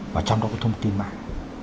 và trong đó có thông tin mạng